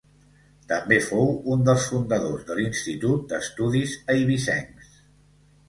També fou un dels fundadors de l'Institut d'Estudis Eivissencs.